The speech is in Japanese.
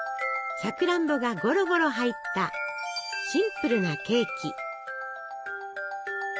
さくらんぼがゴロゴロ入ったシンプルなケーキ。